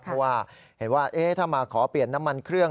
เพราะว่าเห็นว่าถ้ามาขอเปลี่ยนน้ำมันเครื่อง